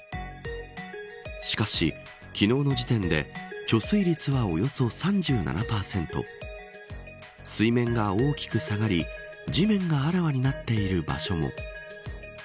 しかし、昨日の時点で貯水率はおよそ３７％水面が大きく下がり地面があらわになっている場所も。